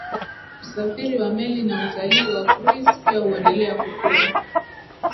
Usafiri wa meli na utalii wa cruise pia huendelea kukua